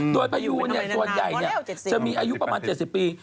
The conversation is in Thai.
โดยพยูนส่วนใหญ่จะมีอายุประมาณ๗๐ปี